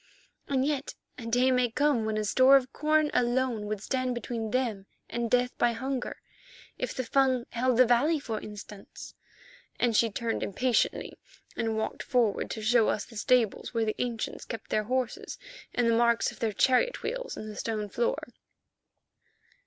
And yet a day may come when a store of corn alone would stand between them and death by hunger—if the Fung held the valley, for instance," and she turned impatiently and walked forward to show us the stables where the ancients kept their horses and the marks of their chariot wheels in the stone floor.